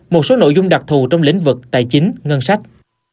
một số nội dung đặc thù trong lĩnh vực tài chính ngân sách